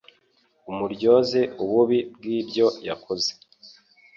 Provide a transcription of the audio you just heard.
umuryoze ububi bw’ibyo yakoze